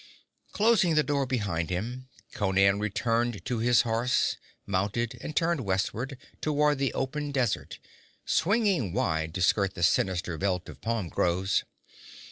Closing the door behind him, Conan returned to his horse, mounted and turned westward, toward the open desert, swinging wide to skirt the sinister belt of palm groves.